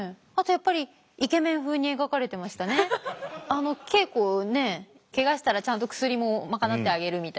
あの稽古ねケガしたらちゃんと薬も賄ってあげるみたいな。